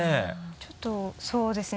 ちょっとそうですね。